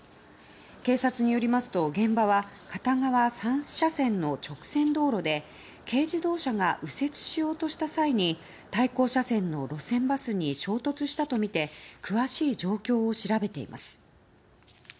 警察によりますと現場は片側３車線の直線道路で軽自動車が右折しようとした際に対向車線の路線バスに衝突したとみて詳しい状況を調べています。